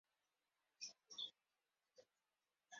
"Arise Again" combines Metallica-like riffs and Sepultura-like echoes.